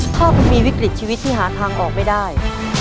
ถ้าคุณมีวิกฤตชีวิตที่หาทางออกไม่ได้